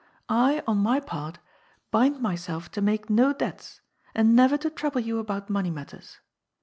I, on my part, bind myself to make no debts, and never to trouble you about money matters.